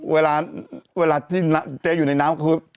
เวลาที่ผู้หญิงอยู่ในหน้าเหรอ